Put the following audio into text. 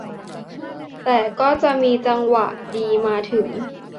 แต่ก็จะมีจังหวะดีมาถึง